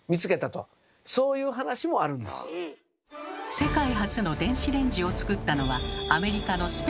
世界初の電子レンジを作ったのはアメリカのスペンサー博士。